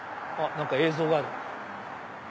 何か映像がある。